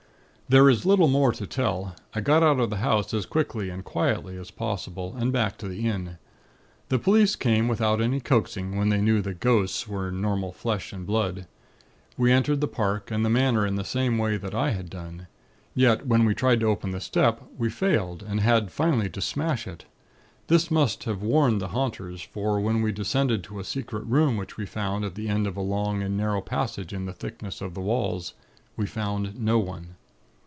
"There is little more to tell. I got out of the house as quickly and quietly as possible, and back to the inn. The police came without any coaxing, when they knew the 'ghosts' were normal flesh and blood. We entered the park and the Manor in the same way that I had done. Yet, when we tried to open the step, we failed, and had finally to smash it. This must have warned the haunters; for when we descended to a secret room which we found at the end of a long and narrow passage in the thickness of the walls, we found no one.